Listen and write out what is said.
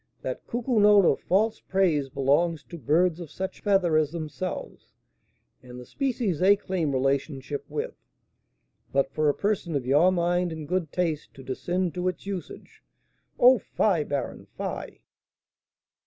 That cuckoo note of false praise belongs to birds of such feather as themselves, and the species they claim relationship with; but for a person of your mind and good taste to descend to its usage oh, fie! baron, fie!"